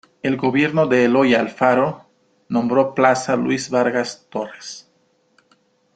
El gobierno de Eloy Alfaro lo nombró plaza Luis Vargas Torres.